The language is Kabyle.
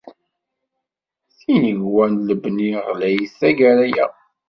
Tinegwa n lebni ɣlayit tagara-a.